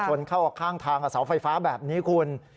ชนเข้ากับข้างทางกับเสาไฟฟ้าแบบนี้คุณ